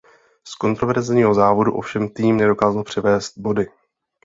Z kontroverzního závodu ovšem tým nedokázal přivést body.